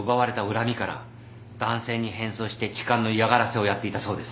恨みから男性に変装して痴漢の嫌がらせをやっていたそうです。